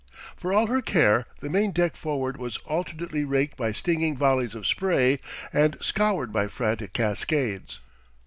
For all her care, the main deck forward was alternately raked by stinging volleys of spray and scoured by frantic cascades.